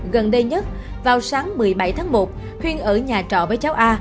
gần đây nhất vào sáng một mươi bảy tháng một khuyên ở nhà trọ với cháu a